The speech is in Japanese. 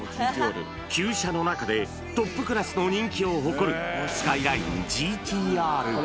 旧車の中でトップクラスの人気を誇る、スカイラインＧＴーＲ。